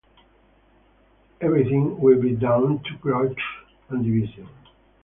Everything will be down to grudge and division.